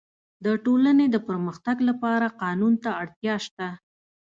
د ټولني د پرمختګ لپاره قانون ته اړتیا سته.